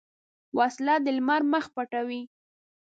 وسله د لمر مخ پټوي